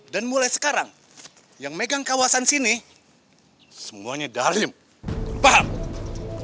dan mulai sekarang yang megang kawasan sini semuanya dalem paham